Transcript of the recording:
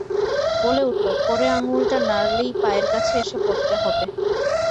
বলে উঠল, কড়ে আঙুলটা নাড়লেই পায়ের কাছে এসে পড়তে হবে।